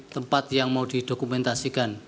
tempat yang mau didokumentasikan